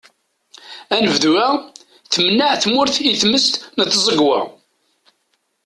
Anebdu-a, temneε tmurt i tmes n tẓegwa.